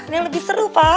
ini yang lebih seru pak